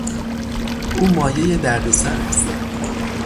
او مایهی دردسر است.